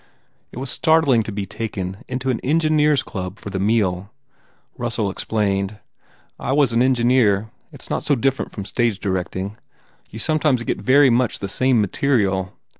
It was startling to be taken into an engineer s club for the meal. Russell explained, "I was an engineer. It s not so different from stage direct ing. You sometimes get very much the same material.